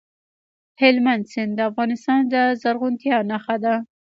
هلمند سیند د افغانستان د زرغونتیا نښه ده.